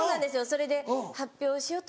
それで発表しようと。